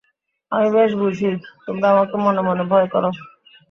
আমি বেশ বুঝি, তোমরা আমাকে মনে মনে ভয় কর।